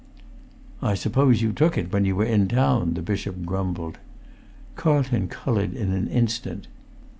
"I suppose you took it when you were in town?" the bishop grumbled. Carlton coloured in an instant.